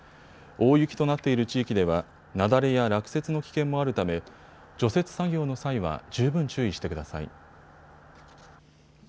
大雪となっている地域では雪崩や落雪の危険もあるため除雪作業の際は十分注意してください。